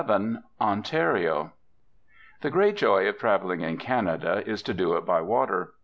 VII ONTARIO The great joy of travelling in Canada is to do it by water.